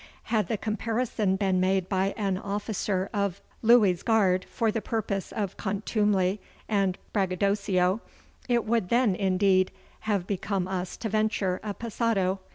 Had the comparison been made by an officer of Louis's guard for the purpose of contumely and braggadocio, it would then indeed have become us to venture a passado.